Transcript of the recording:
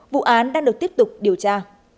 vụ án đang được tiếp tục điều tra